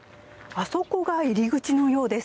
あそこが入り口のようです。